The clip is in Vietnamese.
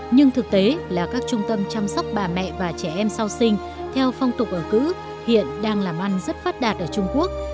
nhưng thực tế là các trung tâm chăm sóc bà mẹ và trẻ em sau sinh theo phong tục ở cũ hiện đang làm ăn rất phát đạt ở trung quốc